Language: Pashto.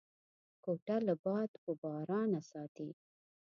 کوټه له باد و بارانه ساتي.